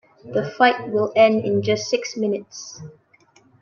The fight will end in just six minutes.